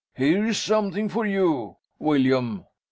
Here's something for you, Willyum.'